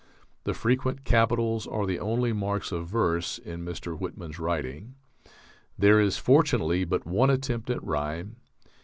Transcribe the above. The frequent capitals are the only marks of verse in Mr. Whitman's writing. There is, fortunately, but one attempt at rhyme....